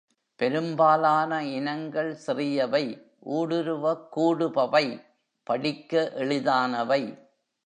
பெரும்பாலான இனங்கள் சிறியவை, ஊடுருவக்கூடுபவை, படிக்க எளிதானவை.